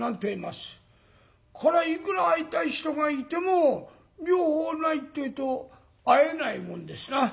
これはいくら会いたい人がいても両方ないってえと会えないもんですな。